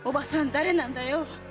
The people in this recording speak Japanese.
誰なんだよ？